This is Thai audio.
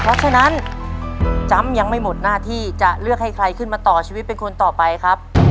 เพราะฉะนั้นจำยังไม่หมดหน้าที่จะเลือกให้ใครขึ้นมาต่อชีวิตเป็นคนต่อไปครับ